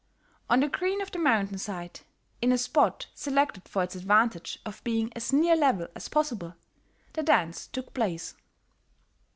On the green of the mountainside, in a spot selected for its advantage of being as near level as possible, the dance took place.